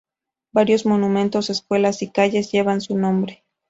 Varios monumentos, escuelas y calles llevan su nombre.